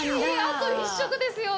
あと１食ですよ。